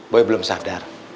boy belum sadar